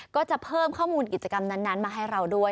ก็จะเพิ่มข้อมูลกิจกรรมนั้นมาให้เราด้วย